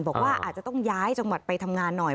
บอกว่าอาจจะต้องย้ายจังหวัดไปทำงานหน่อย